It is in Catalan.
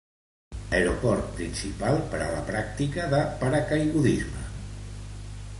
Aeroport principal per a la pràctica de paracaigudisme.